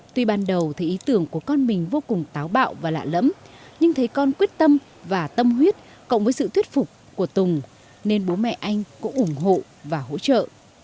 tuy ban đầu thấy ý tưởng của con mình vô cùng táo bạo và lạ lẫm nhưng thấy con quyết tâm và tâm huyết cộng với sự thuyết phục của tùng nên bố mẹ anh cũng ủng hộ và hỗ trợ